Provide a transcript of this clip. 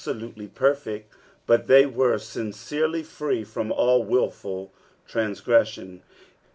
Dot nbftolutely perfect, but they were siaueTely free from all wilful tnnsgressiaii.